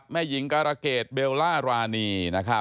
แม่หญิงแกระเกดเปวล่าราณี